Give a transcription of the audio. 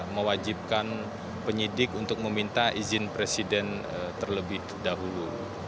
mewajibkan penyidik untuk meminta izin presiden terlebih dahulu